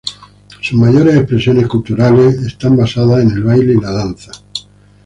Sus mayores expresiones culturales están basadas en el baile y la danza.